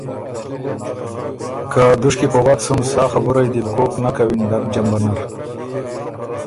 که ” دُشکی په وک سُن سا خبُرئ دی بُو کوک نک کَوِن ډک جمبۀ نر“